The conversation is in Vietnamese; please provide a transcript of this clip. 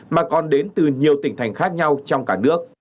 mà còn đến từ nhiều tỉnh thành khác nhau trong cả nước